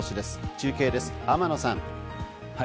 中継です、天野さん。